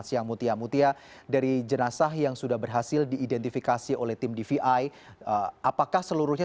yang telah teridentifikasi oleh tim divaya polri